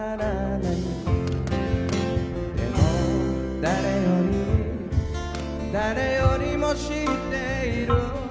「でも誰より誰よりも知っている」